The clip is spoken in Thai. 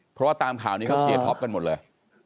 เพราะว่าตามข่าวนี้เขาเสียท็อปกันหมดเลย